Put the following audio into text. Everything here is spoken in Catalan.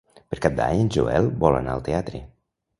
Per Cap d'Any en Joel vol anar al teatre.